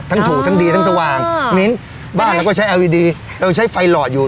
ถูกทั้งดีทั้งสว่างมิ้นบ้านเราก็ใช้แอร์วิดีเราใช้ไฟหลอดอยู่